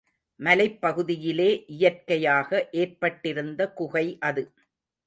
மலைப்பகுதியிலே இயற்கையாக ஏற்பட்டிருந்த குகை அது.